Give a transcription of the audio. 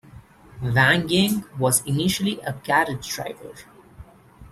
Wang Ying was initially a carriage driver.